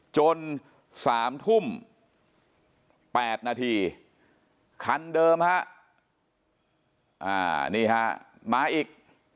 จน๓ทุ่ม๘นาทีคันเดิมฮะนี่ฮะมาอีก